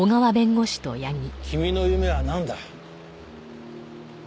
君の夢はなんだ？